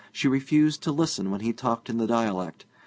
She refused to listen when he talked in the dialect.